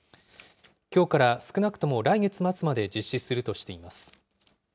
きょうから少なくとも来月末まで実施するとしています。